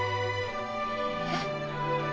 えっ。